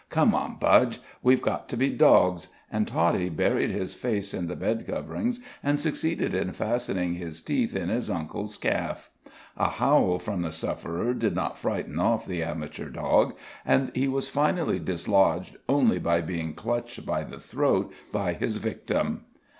Come on, Budge, we's got to be dogs." And Toddie buried his face in the bed covering and succeeded in fastening his teeth in his uncle's calf. A howl from the sufferer did not frighten off the amateur dog, and he was finally dislodged only by being clutched by the throat by his victim.